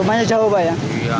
rumahnya jauh pak ya